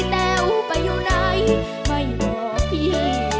แต่วผิดพี่ให้อภัยถึงใกล้เข้าไปประณีพระเผิดคนดี